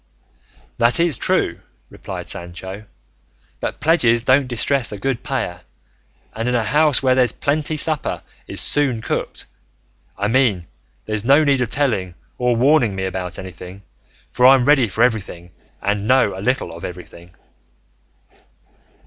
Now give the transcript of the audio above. "That is true," replied Sancho; "but pledges don't distress a good payer, and in a house where there's plenty supper is soon cooked; I mean there's no need of telling or warning me about anything; for I'm ready for everything and know a little of everything."